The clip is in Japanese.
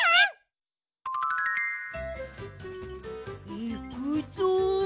いくぞう！